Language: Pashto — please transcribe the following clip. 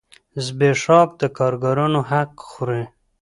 زبېښاک د کارګرانو حق خوري.